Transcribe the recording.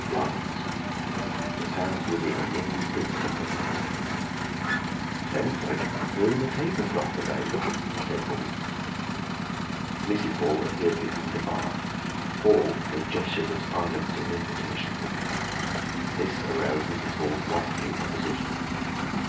Silence. The sounds within indistinct and perplexing. "Sounds like throwing the table cloth about," said Hall. Mrs. Hall appeared behind the bar. Hall made gestures of silence and invitation. This aroused Mrs. Hall's wifely opposition.